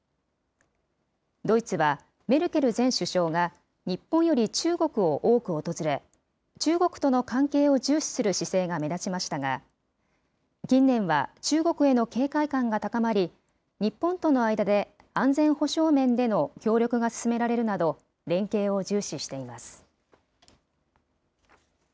ドイツは、メルケル前首相が日本より中国を多く訪れ、中国との関係を重視する姿勢が目立ちましたが、近年は中国への警戒感が高まり、日本との間で安全保障面での協力が進められるなど、連携を重視しています。